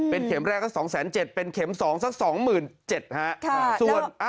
เป็นเข็มแรกก็๒๗๐๐๐๐เป็นเข็มสองก็๒๗๐๐๐ส่วน